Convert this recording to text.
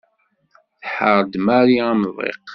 Tḥerr-d Mari amḍiq.